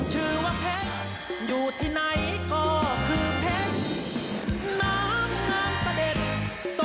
ชื่อว่าเพชรอยู่ที่ไหนก็คือเพชร